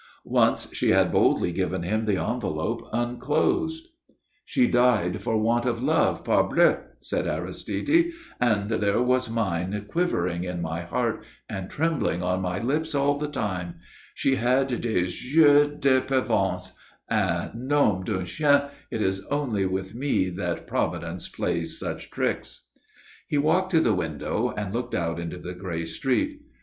Once she had boldly given him the envelope unclosed. [Illustration: HE READ IT, AND BLINKED IN AMAZEMENT] "She died for want of love, parbleu," said Aristide, "and there was mine quivering in my heart and trembling on my lips all the time.... She had des yeux de pervenche. Ah! nom d'un chien! It is only with me that Providence plays such tricks." He walked to the window and looked out into the grey street.